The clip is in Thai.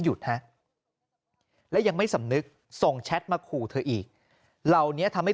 หยุดนะและยังไม่สำนึกส่งแชทมาคู่เธออีกเราเนี่ยทำให้